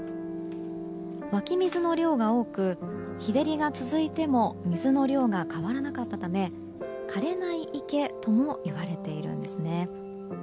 湧き水の量が多く日照りが続いても水の量が変わらなかったためかれない池ともいわれているんですね。